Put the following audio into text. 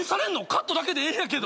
カットだけでええんやけど！